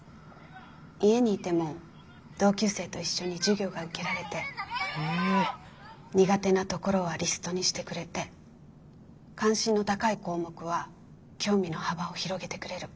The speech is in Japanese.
家にいても同級生と一緒に授業が受けられて苦手なところはリストにしてくれて関心の高い項目は興味の幅を広げてくれる。